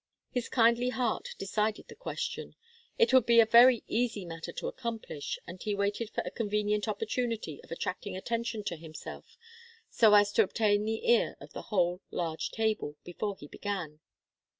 His kindly heart decided the question. It would be a very easy matter to accomplish, and he waited for a convenient opportunity of attracting attention to himself, so as to obtain the ear of the whole large table, before he began.